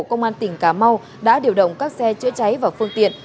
công an tỉnh cà mau đã điều động các xe chữa cháy và phương tiện